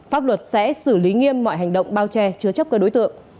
pháp luật sẽ xử lý nghiêm mọi hành động bao che chứa chấp các đối tượng